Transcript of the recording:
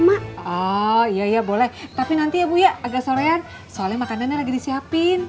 mak oh iya boleh tapi nanti ya buya agak sorean soalnya makanannya lagi disiapin